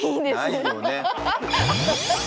ないよね。